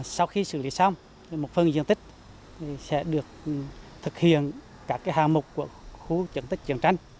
sau khi xử lý xong một phần diện tích sẽ được thực hiện cả hàng mục của khu diện tích chiến tranh